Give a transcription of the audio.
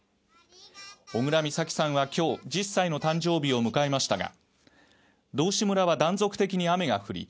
小倉美咲さんは今日１０歳の誕生日を迎えましたが道志村は断続的に雨が降り